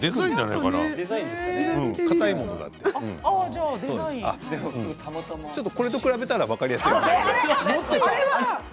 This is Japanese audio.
かたいものがあってちょっとこれと比べたら分かりやすいかな。